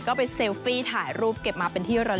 ก็ไปเซลฟี่ถ่ายรูปเก็บมาเป็นที่ระเร